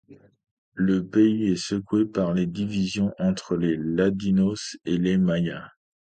Le pays est secoué par les divisions entre les Ladinos et les mayas.